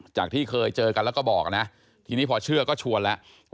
ที่เคยเจอกันแล้วก็บอกนะทีนี้พอเชื่อก็ชวนแล้ว